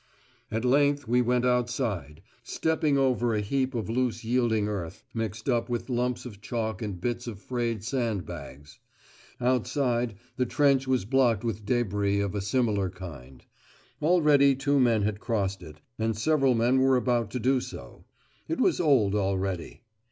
At length we went outside, stepping over a heap of loose yielding earth, mixed up with lumps of chalk and bits of frayed sand bags. Outside, the trench was blocked with débris of a similar kind. Already two men had crossed it, and several men were about to do so. It was old already.